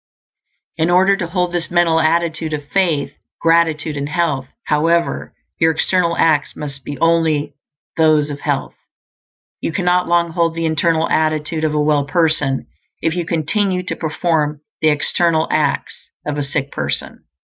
In order to hold this mental attitude of faith, gratitude, and health, however, your external acts must be only those of health. You cannot long hold the internal attitude of a well person if you continue to perform the external acts of a sick person.